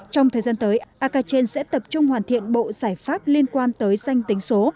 trong thời gian tới akachen sẽ tập trung hoàn thiện bộ giải pháp liên quan tới danh tính số